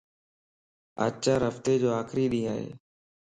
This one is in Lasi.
آچار ھفتي جو آخري ڏينھن ائي